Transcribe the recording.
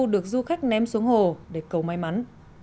được du khách ném xuống hồ để cầu may mắn